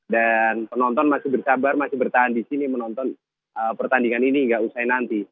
dan penonton masih bersabar masih bertahan di sini menonton pertandingan ini hingga usai nanti